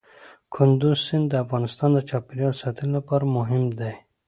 کندز سیند د افغانستان د چاپیریال ساتنې لپاره مهم دی.